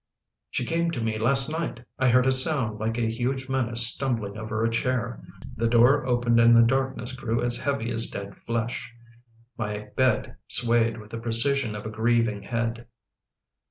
" She came to me last night. I heard a sound like a huge menace stumbling over a chair. The door opened and the darkness grew as heavy as dead flesh. My bed swayed with the precision of a grieving head."